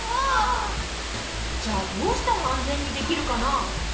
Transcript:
じゃあどうしたら安全にできるかな？